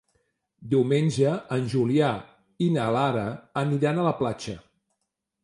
Diumenge en Julià i na Lara aniran a la platja.